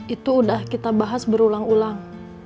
itu sudah kita bahas berulang ulang